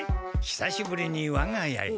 久しぶりにわが家へ。